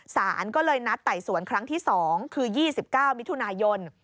สารก็เลยนัดไต่สวนครั้งที่๒คือ๒๙มิถุนายน